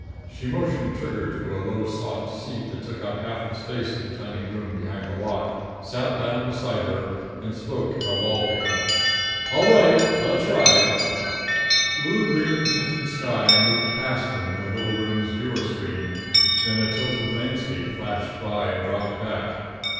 She motioned Trigger to a low soft seat that took up half the space of the tiny room behind the lock, sat down beside her and spoke at a wall pickup. "All set. Let's ride!" Blue green tinted sky moved past them in the little room's viewer screen; then a tilted landscape flashed by and dropped back.